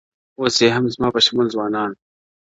اوس یې هم زما په شمول ځوانان